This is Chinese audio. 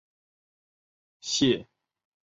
谢尔加奇斯基区。